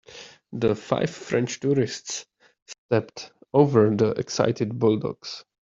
The five French tourists stepped over the excited bulldogs.